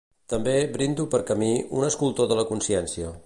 També, brindo per Camí, un escultor de la consciència.